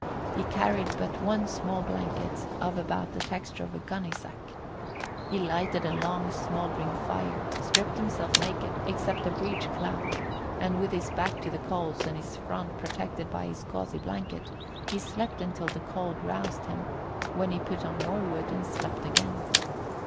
He carried but one small blanket of about the texture of a gunny sack. He lighted a long smouldering fire, stripped himself naked, except a breech clout, and, with his back to the coals and his front protected by his gauzy blanket, he slept until the cold roused him, when he put on more wood and slept again.